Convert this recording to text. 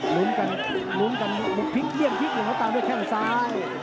มุกพลิกเลี่ยงพลิกอยู่แล้วตามด้วยแค่ข้างซ้าย